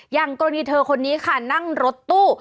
อย่างกรณีเธอคนนี้ค่ะนั่งรถตู้